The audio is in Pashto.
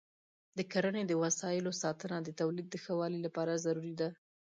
د کرنې د وسایلو ساتنه د تولید د ښه والي لپاره ضروري ده.